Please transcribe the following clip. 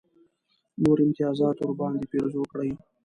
نور امتیازات ورباندې پېرزو کړي.